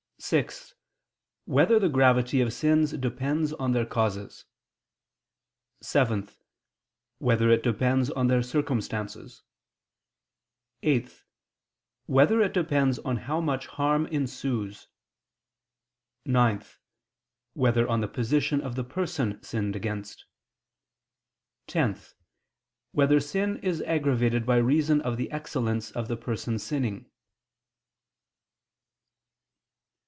(6) Whether the gravity of sins depends on their causes? (7) Whether it depends on their circumstances? (8) Whether it depends on how much harm ensues? (9) Whether on the position of the person sinned against? (10) Whether sin is aggravated by reason of the excellence of the person sinning?